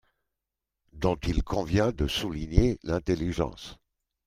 dont il convient de souligner l’intelligence.